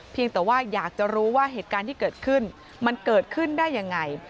แต่ว่าอยากจะรู้ว่าเหตุการณ์ที่เกิดขึ้นมันเกิดขึ้นได้ยังไง